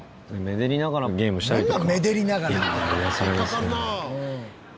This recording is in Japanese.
愛でりながらゲームしたりとか。